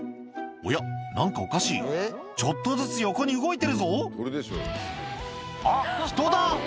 おや何かおかしいちょっとずつ横に動いてるぞあっ人だ！